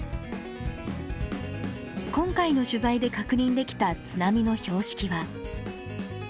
今回の取材で確認できた津波の標識は。